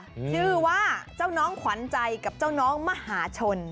ชื่อว่าเจ้าน้องขวัญใจกับเจ้าน้องมหาชน